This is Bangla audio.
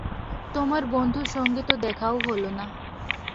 তোমার বন্ধুর সঙ্গে তো দেখাও হলো না।